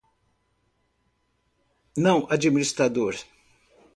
Não administrador